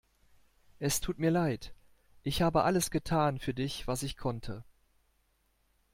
Es tut mir leid, ich habe alles getan für dich was ich konnte.